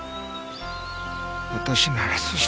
私ならそうした。